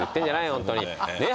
本当にねえ？